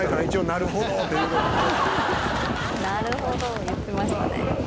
「“なるほど”言ってましたね」